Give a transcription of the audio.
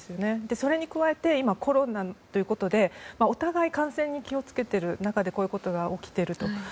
それに加えて今コロナということでお互い感染に気をつけている中でこういうことが起きていると。